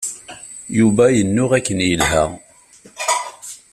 Yuba yennuɣ akken yelha.